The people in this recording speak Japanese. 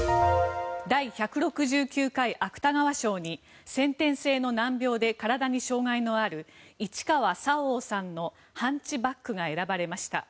第１６９回芥川賞に先天性の難病で体に障害にある市川沙央さんの「ハンチバック」が選ばれました。